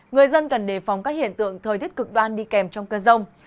người dân cần đề phóng các hiện tượng thời tiết cực đoan đi kèm trong cơn rông